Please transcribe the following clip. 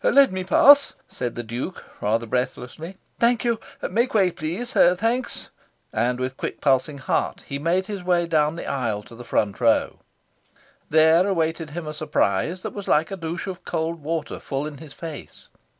"Let me pass," said the Duke, rather breathlessly. "Thank you. Make way please. Thanks." And with quick pulsing heart he made his way down the aisle to the front row. There awaited him a surprise that was like a douche of cold water full in his face.